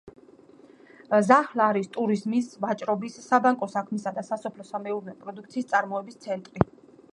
ზაჰლა არის ტურიზმის, ვაჭრობის, საბანკო საქმისა და სასოფლო-სამეურნეო პროდუქციის წარმოების ცენტრი.